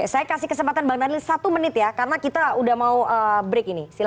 saya kasih kesempatan bang daniel satu menit ya karena kita udah mau break ini